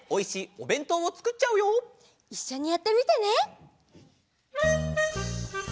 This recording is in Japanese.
いっしょにやってみてね！